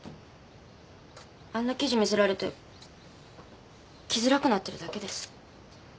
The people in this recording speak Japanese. あんな記事見せられて来づらくなってるだけです。